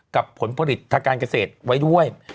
ผลผลิตทางการเกษตรไว้ด้วย